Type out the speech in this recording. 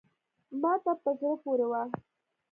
ما ته په زړه پوري وه …